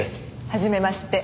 はじめまして。